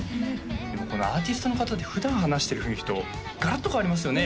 でもアーティストの方って普段話してる雰囲気とガラッと変わりますよね